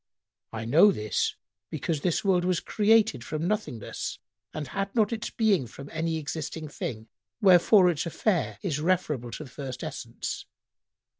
"—"I know this because this world was created from nothingness and had not its being from any existing thing; wherefore its affair is referable to the first essence.